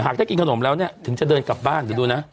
ได้กินขนมแล้วเนี่ยถึงจะเดินกลับบ้านเดี๋ยวดูนะ